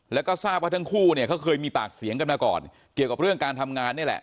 แล้วก็ทราบว่าทั้งคู่เนี่ยเขาเคยมีปากเสียงกันมาก่อนเกี่ยวกับเรื่องการทำงานนี่แหละ